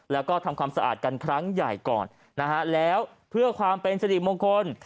แล้วก็ทำความสะอาดกันครั้งใหญ่ก่อนนะฮะแล้วเพื่อความเป็นสิริมงคล